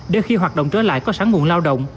để khi hoạt động trở lại có sẵn nguồn lao động